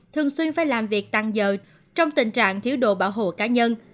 thường xuyên phải làm việc tăng giờ trong tình trạng thiếu đồ bảo hộ cá nhân